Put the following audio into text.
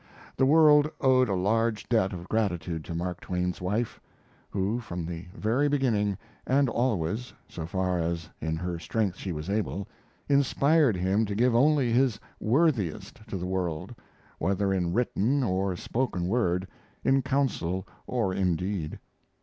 The world owed a large debt of gratitude to Mark Twain's wife, who from the very beginning and always, so far as in her strength she was able inspired him to give only his worthiest to the world, whether in written or spoken word, in counsel or in deed.